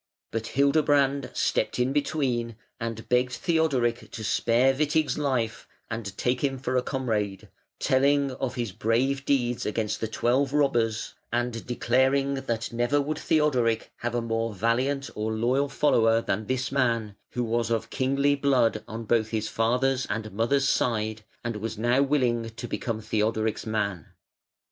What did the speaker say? But Hildebrand stepped in between and begged Theodoric to spare Witig's life and take him for a comrade, telling of his brave deeds against the twelve robbers, and declaring that never would Theodoric have a more valiant or loyal follower than this man, who was of kingly blood on both his father's and mother's side, and was now willing to become Theodoric's man.